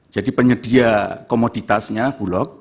jadi penyedia komoditasnya bulog